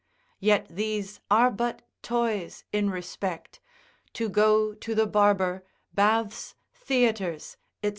Yet these are but toys in respect, to go to the barber, baths, theatres, &c.